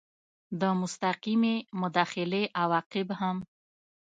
د مستقیې مداخلې عواقب هم